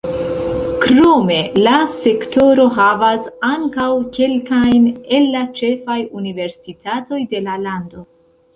Krome la sektoro havas ankaŭ kelkajn el la ĉefaj universitatoj de la lando.